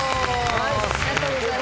ありがとうございます。